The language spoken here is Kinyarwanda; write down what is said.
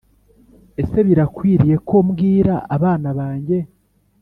Ese birakwiriye ko mbwira abana banjye